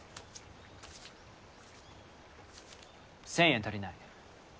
１０００円足りない。